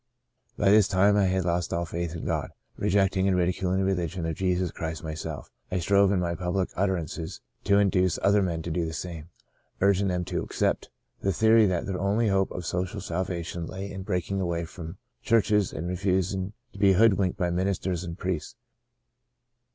" By this time I had lost all faith in God. Rejecting and ridiculing the religion of Jesus Christ myself, I strove in my public utter ances to induce other men to do the same, urging them to accept the theory that their only hope of social salvation lay in breaking away from churches and refusing to be hood winked by ministers and priests.